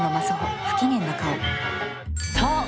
そう。